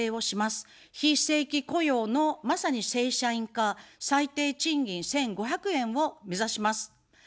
非正規雇用のまさに正社員化、最低賃金１５００円を目指します。